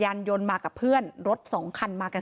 เหตุการณ์เกิดขึ้นแถวคลองแปดลำลูกกา